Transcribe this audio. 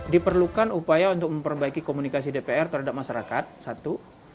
diperlukan upaya untuk memperbaiki komunikasi dpr terhadap masyarakat satu